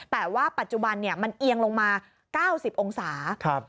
แต่ว่าปัจจุบันมันเอียงลงมา๙๐องศา